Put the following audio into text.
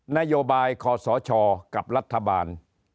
นโยบายคอสชกับรัฐบาล